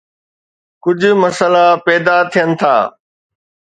ڪجھ مسئلا پيدا ٿين ٿا